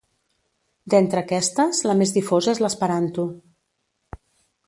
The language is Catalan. D'entre aquestes la més difosa és l'esperanto.